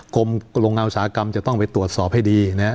กรมโรงงานอุตสาหกรรมจะต้องไปตรวจสอบให้ดีนะฮะ